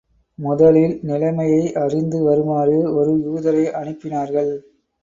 முதலில் நிலைமையை அறிந்து வருமாறு ஒரு யூதரை அனுப்பினார்கள்.